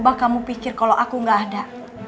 bahwa kamu pikir kalau aku gak ada